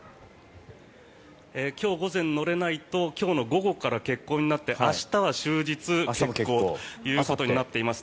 今日午前乗れないと今日の午後から欠航になって明日は終日欠航ということになっています。